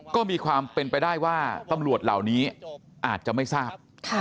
ก็มีความเป็นไปได้ว่าตำรวจเหล่านี้อาจจะไม่ทราบ